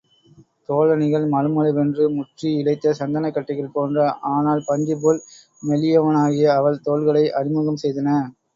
தோளணிகள் மழுமழுவென்று முற்றி இழைத்த சந்தனக் கட்டைகள்போன்ற, ஆனால் பஞ்சுபோல் மெல்லியனவாகிய அவள் தோள்களை அறிமுகம் செய்தன.